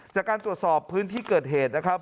จากการตรวจสอบพื้นที่เกิดเหตุนะครับ